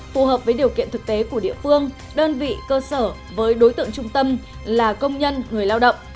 phù hợp với điều kiện thực tế của địa phương đơn vị cơ sở với đối tượng trung tâm là công nhân người lao động